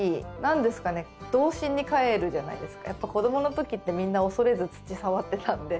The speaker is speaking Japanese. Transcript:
やっぱ子どものときってみんな恐れず土触ってたんで。